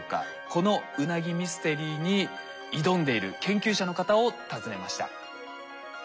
このウナギミステリーに挑んでいる研究者の方を訪ねました。